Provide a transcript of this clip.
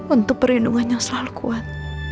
untuk perlindungan yang selalu kuat